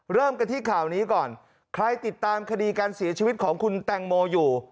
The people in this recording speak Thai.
เริ่มกันที่ข่าวนี้ก่อนใครติดตามคดีการเสียชีวิตของคุณแตงโมอยู่